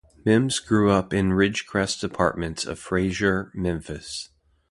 Mims grew up in Ridgecrest Apartments of Frayser, Memphis.